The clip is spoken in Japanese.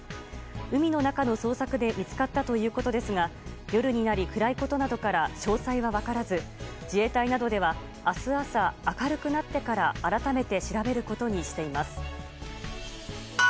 海の中の捜索で見つかったということですが夜になり、暗いことなどから詳細は分からず自衛隊などでは明日朝明るくなってから改めて調べることにしています。